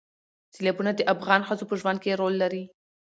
سیلابونه د افغان ښځو په ژوند کې رول لري.